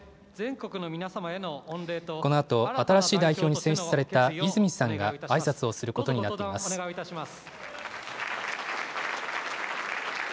このあと、新しい代表に選出された泉さんがあいさつをすることになっています。